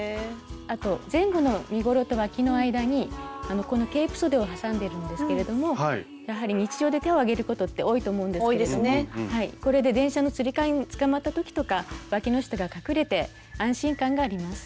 あと前後の身ごろとわきの間にこのケープそでを挟んでるんですけれどもやはり日常で手を上げることって多いと思うんですけれどもこれで電車のつり革につかまった時とかわきの下が隠れて安心感があります。